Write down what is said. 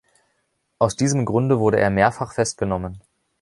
Aus diesem Grunde wurde er mehrfach festgenommen.